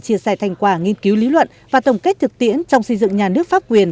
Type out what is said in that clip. chia sẻ thành quả nghiên cứu lý luận và tổng kết thực tiễn trong xây dựng nhà nước pháp quyền